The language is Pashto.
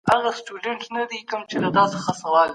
درواغجن معلومات د څېړني باور له منځه وړي.